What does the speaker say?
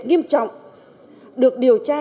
nghiêm trọng được điều tra